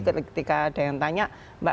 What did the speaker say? ketika ada yang tanya mbak